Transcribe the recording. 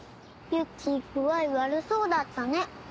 ユッキー具合悪そうだったね。